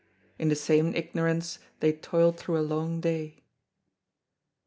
In the same ignorance they toiled through a long day.